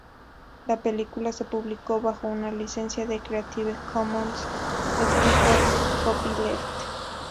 La película se publicó bajo una licencia de Creative Commons del tipo Copyleft.